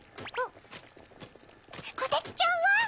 こてつちゃんは？